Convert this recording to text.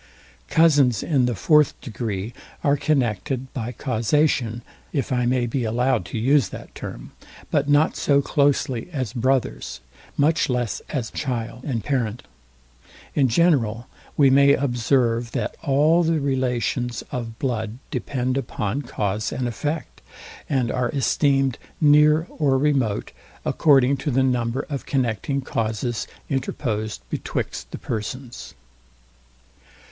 Cousins in the fourth degree are connected by causation, if I may be allowed to use that term; but not so closely as brothers, much less as child and parent. In general we may observe, that all the relations of blood depend upon cause and effect, and are esteemed near or remote, according to the number of connecting causes interposed betwixt the persons.